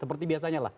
seperti biasanya lah